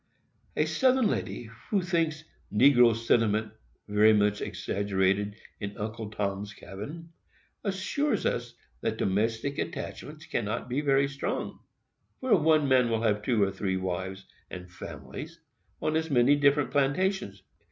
A Southern lady, who thinks "negro sentiment" very much exaggerated in "Uncle Tom's Cabin," assures us that domestic attachments cannot be very strong, where one man will have two or three wives and families, on as many different plantations.